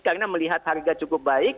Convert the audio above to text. karena melihat harga cukup baik